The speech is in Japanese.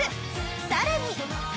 さらに。